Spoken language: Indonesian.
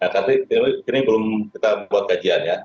tapi ini belum kita buat kajian ya